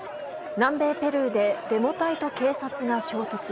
南米ペルーでデモ隊と警察が衝突。